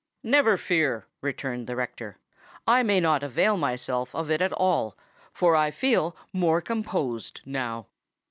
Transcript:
"Never fear," returned the rector: "I may not avail myself of it at all—for I feel more composed now."